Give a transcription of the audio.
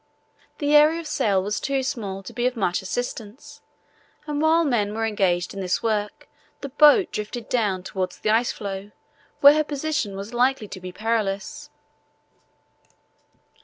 The area of sail was too small to be of much assistance, and while the men were engaged in this work the boat drifted down towards the ice floe, where her position was likely to be perilous.